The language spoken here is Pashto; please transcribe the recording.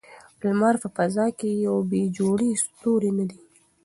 لمر په فضا کې یو بې جوړې ستوری نه دی.